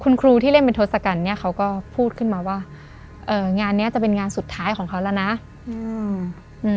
คุณครูที่เล่นเป็นทศกัณฐ์เนี้ยเขาก็พูดขึ้นมาว่าเอ่องานเนี้ยจะเป็นงานสุดท้ายของเขาแล้วนะอืม